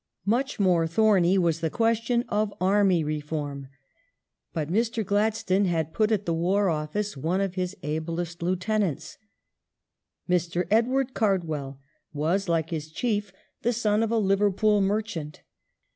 Army Much more thorny was the question of Army reform, but Mr. Gladstone had put at the War Office one of his ablest lieutenants. Mr. Edward Cardwell was, like his Chief, the son of a Liverpool merchant.